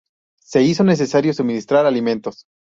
Se hizo necesario suministrar alimentos.